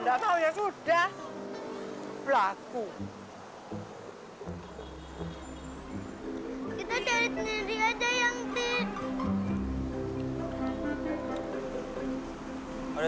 kita cari sendiri aja yang di